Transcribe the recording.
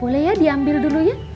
boleh ya diambil dulu ya